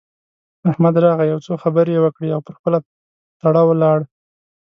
احمد راغی؛ يو څو خبرې يې وکړې او پر خپله تړه ولاړ.